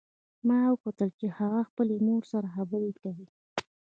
ما وکتل چې هغه خپلې مور سره خبرې کوي